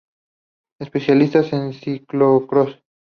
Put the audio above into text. Especialista en Ciclocross.